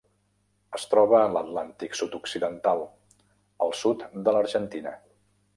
Es troba a l'Atlàntic sud-occidental: el sud de l'Argentina.